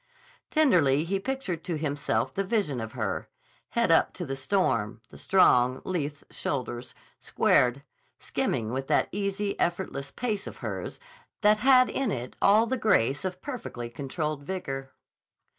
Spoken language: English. Tenderly he pictured to himself the vision of her; head up to the storm, the strong, lithe shoulders squared, skimming with that easy, effortless pace of hers that had in it all the grace of perfectly controlled vigor.